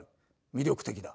魅力的だ。